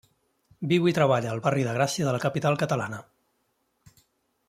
Viu i treballa al barri de Gràcia de la capital catalana.